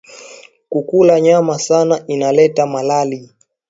Kukula nyama sana ina leta malali